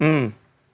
cawa presnya siapa